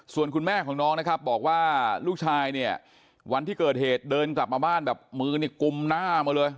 ส่วนคุณแม่ของน้องนะครับบอกว่าลูกชายเนี่ยวันที่เกิดเหตุเดินกลับมาบ้านแบบมือนี่กุมหน้ามาเลย